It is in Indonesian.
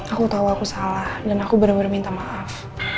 aku tahu aku salah dan aku benar benar minta maaf